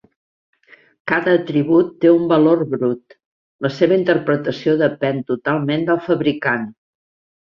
Cada atribut té un valor brut, la seva interpretació depèn totalment del fabricant.